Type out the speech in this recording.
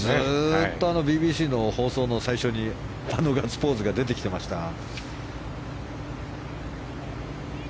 ずっとＢＢＣの放送の最初にあのガッツポーズが出てきていましたが。